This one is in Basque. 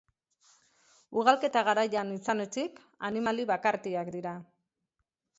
Ugalketa garaian izan ezik, animali bakartiak dira.